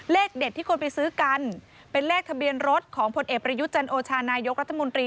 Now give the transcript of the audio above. เลขเด็ดที่คนไปซื้อกันเป็นเลขทะเบียนรถของพลเอกประยุทธ์จันโอชานายกรัฐมนตรี